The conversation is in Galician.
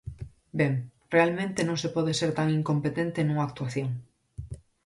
Ben, realmente non se pode ser tan incompetente nunha actuación.